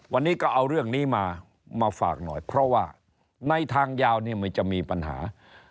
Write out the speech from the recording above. วันนี้ก็เอาเรื่องนี้มามาฝากหน่อยเพราะว่าในทางยาวเนี่ยมันจะมีปัญหา